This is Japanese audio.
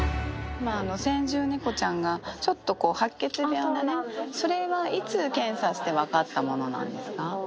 先住猫ちゃんがちょっとこう、白血病でね、それはいつ検査して分かったものなんですか。